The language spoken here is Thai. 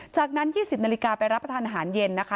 จากนั้น๒๐นาฬิกาไปรับประทานอาหารเย็นนะคะ